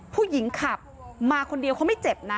ผู้หญิงขับมาคนเดียวเขาไม่เจ็บนะ